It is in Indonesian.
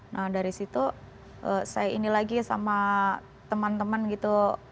nah dari situ saya ini lagi sama teman teman gitu